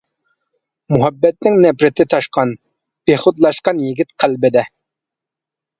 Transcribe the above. مۇھەببەتنىڭ نەپرىتى تاشقان، بىخۇدلاشقان يىگىت قەلبىدە.